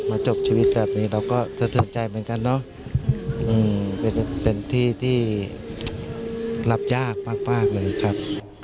จบชีวิตแบบนี้เราก็สะเทือนใจเหมือนกันเนอะเป็นที่ที่รับยากมากเลยครับ